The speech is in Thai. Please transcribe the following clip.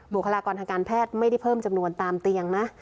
คลากรทางการแพทย์ไม่ได้เพิ่มจำนวนตามเตียงนะ